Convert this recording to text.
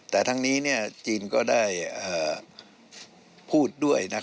แต่ทั้งนี้จีนก็ได้พูดด้วย